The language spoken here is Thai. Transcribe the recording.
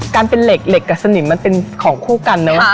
การเป็นเหล็กกับสนิมมันเป็นของคู่กันเนอะ